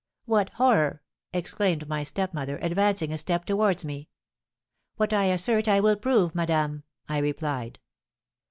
"'What horror!' exclaimed my stepmother, advancing a step towards me. "'What I assert I will prove, madame!' I replied.